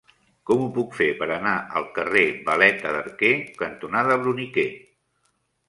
Com ho puc fer per anar al carrer Valeta d'Arquer cantonada Bruniquer?